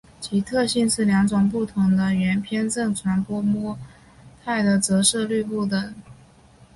其特性是两种不同的圆偏振传播模态的折射率不相等。